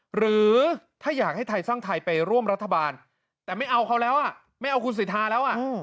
หรือถ้าอยากให้ไทยสร้างไทยไปร่วมรัฐบาลแต่ไม่เอาเขาแล้วไม่เอาคุณสิทธาแล้ว